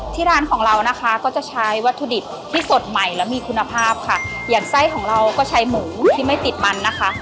ร้านของเรานะคะก็จะใช้วัตถุดิบที่สดใหม่และมีคุณภาพค่ะอย่างไส้ของเราก็ใช้หมูที่ไม่ติดมันนะคะ